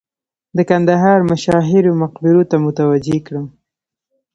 د کندهار مشاهیرو مقبرو ته متوجه کړم.